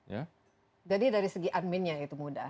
jadi dari segi adminnya itu mudah